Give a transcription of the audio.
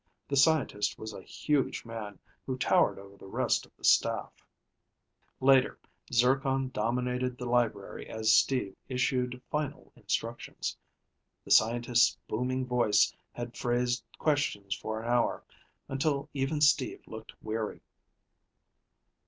The scientist was a huge man who towered over the rest of the staff. Later, Zircon dominated the library as Steve issued final instructions. The scientist's booming voice had phrased questions for an hour, until even Steve looked weary.